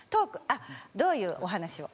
あっどういうお話を？